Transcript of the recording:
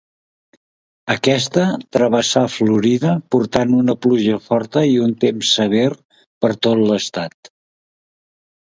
Aquesta travessà Florida portant una pluja forta i un temps sever per tot l'estat.